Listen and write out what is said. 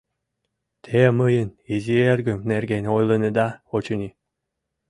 — Те мыйын изи эргым нерген ойлынеда, очыни?